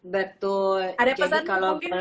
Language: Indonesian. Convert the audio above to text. betul jadi kalau